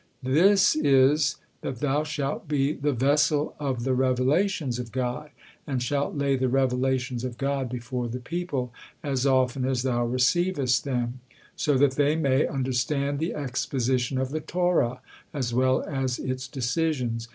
This is, that thou shalt be 'the vessel of the revelations of God,' and shalt lay the revelations of God before the people, as often as thou receivest them; so that they may understand the exposition of the Torah, as well as its decisions.